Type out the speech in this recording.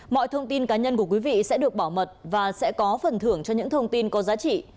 mọi thông tin cá nhân của quý vị sẽ được bảo mật và sẽ có phần thưởng cho những thông tin có giá trị